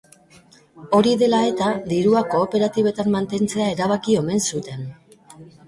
Hori dela eta, dirua kooperatibetan mantentzea erabaki omen zuten.